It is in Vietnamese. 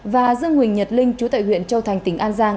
và dương huỳnh nhật linh chú tại huyện châu thành tỉnh an giang